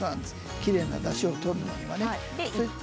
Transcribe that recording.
きれいなだしを取るのにはね。